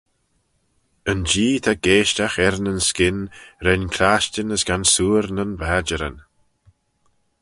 Yn Jee ta geaishtagh er nyn skyn ren clashtyn as gansoor nyn badjeryn.